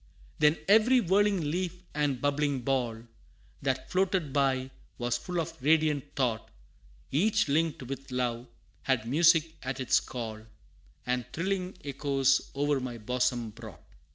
Then every whirling leaf and bubbling ball, That floated by, was full of radiant thought; Each linked with love, had music at its call, And thrilling echoes o'er my bosom brought.